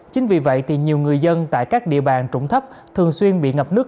chính vì vậy thì nhiều người dân tại các địa bàn trụng thấp thường xuyên bị ngập nước